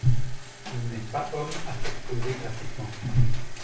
Il n'est pas homme à s'exposer gratuitement.